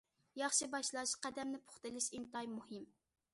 ياخشى باشلاش، قەدەمنى پۇختا ئېلىش ئىنتايىن مۇھىم.